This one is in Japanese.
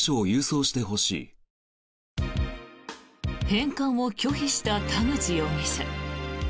返還を拒否した田口容疑者。